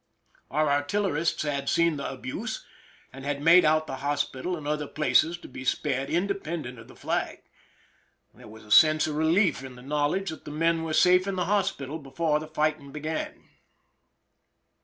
Our artillerists had seen the abuse, and had made out the hospital and other places to be spared, independent of the flag. There was a sense of relief in the knowledge that the men were safe in the hospital before the fighting began.